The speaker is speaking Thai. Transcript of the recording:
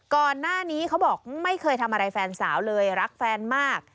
ก่อนหน้านี่เขาบอกไม่เคยทำอะไรแฟนสาวเลยรักแฟนมาก